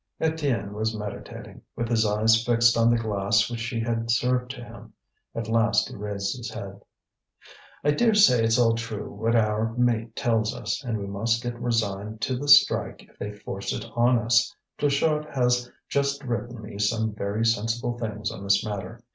Étienne was meditating, with his eyes fixed on the glass which she had served to him. At last he raised his head. "I dare say it's all true what our mate tells us, and we must get resigned to this strike if they force it on us. Pluchart has just written me some very sensible things on this matter.